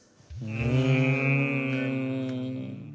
うん。